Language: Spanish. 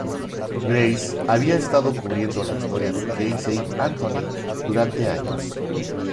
Grace había estado cubriendo la historia de Casey Anthony durante años.